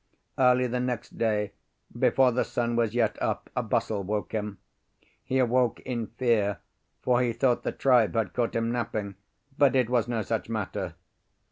Early the next day, before the sun was yet up, a bustle woke him. He awoke in fear, for he thought the tribe had caught him napping: but it was no such matter.